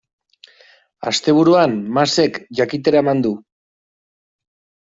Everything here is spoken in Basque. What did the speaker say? Asteburuan Masek jakitera eman du.